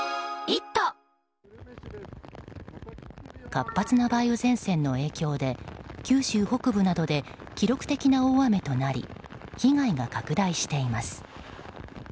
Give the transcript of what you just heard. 活発な梅雨前線の影響で九州北部などで記録的な大雨となり被害が拡大しています。